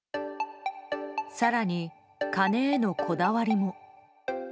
更に金へのこだわりも。